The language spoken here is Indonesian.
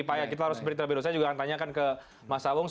saya juga akan tanyakan ke mas sawung